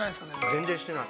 ◆全然してない。